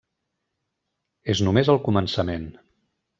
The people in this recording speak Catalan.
És només el començament.